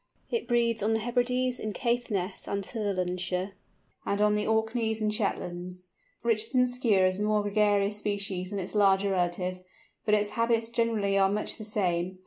It breeds on the Hebrides, in Caithness and Sutherlandshire, and on the Orkneys and Shetlands. Richardson's Skua is a more gregarious species than its larger relative, but its habits generally are much the same.